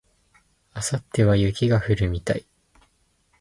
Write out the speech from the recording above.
明後日は雪が降るみたい